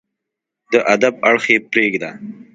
د ادب اړخ يې پرېږده